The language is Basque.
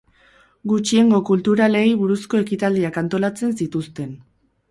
Gutxiengo kulturalei buruzko ekitaldiak antolatzen zituzten.